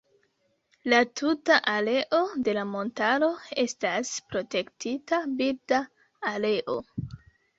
La tuta areo de la montaro estas Protektita birda areo.